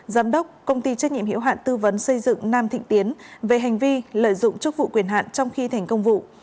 giám đốc công ty trách nhiệm hiệu hạn tư vấn xây dựng nam thịnh tiến về hành vi lợi dụng chức vụ quyền hạn trong khi thành công vụ